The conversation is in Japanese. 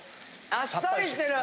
あっさりしてる。